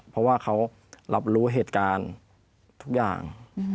เพราะว่าเขารับรู้เหตุการณ์ทุกอย่าง